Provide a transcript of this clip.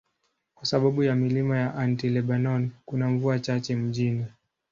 Kwa sababu ya milima ya Anti-Lebanon, kuna mvua chache mjini.